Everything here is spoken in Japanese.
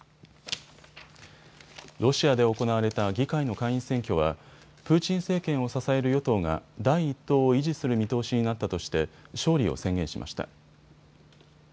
ロシアで行われた議会の下院選挙はプーチン政権を支える与党が第１党を維持する見通しになったとして勝利を宣言しました。